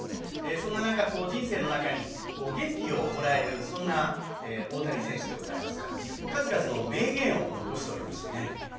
そんな中人生の中に元気をもらえるそんな大谷選手でございますが数々の名言を残しておりましてね。